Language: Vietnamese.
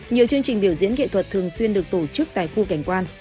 nhiều chương trình biểu diễn nghệ thuật thường xuyên được tổ chức tại khu cảnh quan